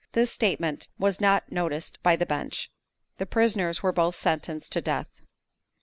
This statement was not noticed by the bench. The prisoners were both sentenced to death.